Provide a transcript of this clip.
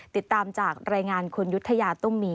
ติดตามจากรายงานคุณยุธยาตุ้มมี